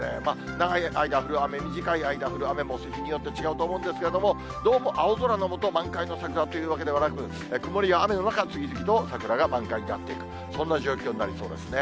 長い間、降る雨、短い間降る雨も日によって違うと思うんですけども、どうも青空の下、満開の桜というわけではなく、曇りや雨の中、次々と桜が満開になっている、そんな状況になりそうですね。